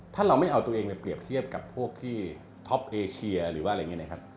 ถ้าเราไม่เอาตัวเองไปเปรียบเทียบกับพวกที่ท็อปเอเชียหรือว่าอะไรอย่างนี้นะครับ